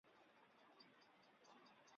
本届赛事首次设立四个降级名额。